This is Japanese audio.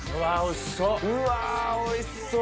うわおいしそう！